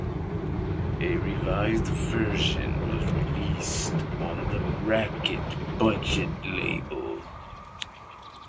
A revised version was released on the Rack-It budget label.